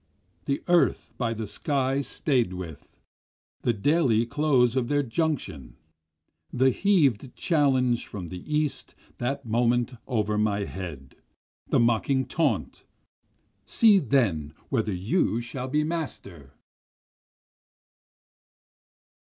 The earth by the sky staid with, the daily close of their junction, The heav'd challenge from the east that moment over my head, The mocking taunt, See then whether you shall be master!